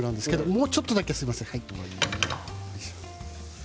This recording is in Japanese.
もうちょっとだけ、すいません。